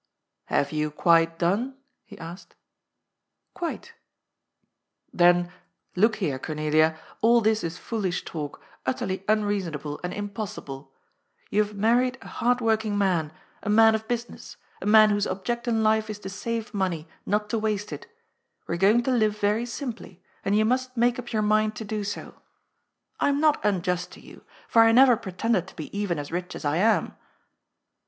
" Have you quite done ?" he asked. « Quite." "Then, look here, Cornelia, all this is foolish talk, utterly unreasonable and impossible. You have married^ a hard working man, a man of business, a man whose object in life is to save money, not to waste it. We are going to live very simply, and you must make up your mind to do so. I am not unjust to you, for I never pretended to be even as rich as I am."